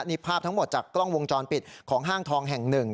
นี่ภาพทั้งหมดจากกล้องวงจรปิดของห้างทองแห่งหนึ่ง